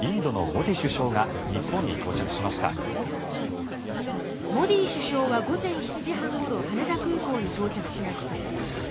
モディ首相は午前７時半ごろ羽田空港に到着しました。